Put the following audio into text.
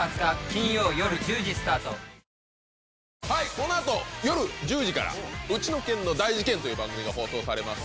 このあとよる１０時から「ウチの県の大事ケン」という番組が放送されます